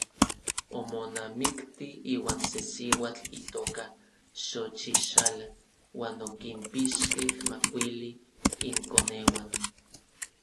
Omonamikti iuan se siuatl itoka Xochixala uan okinpixkej makuili inkoneuan.